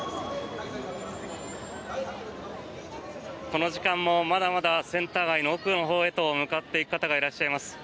この時間も、まだまだセンター街の奥のほうへと向かっていく方がいらっしゃいます。